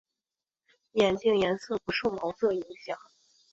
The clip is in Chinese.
眼镜颜色不受毛色影响。